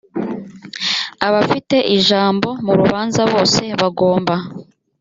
abafite ijambo mu rubanza bose bagomba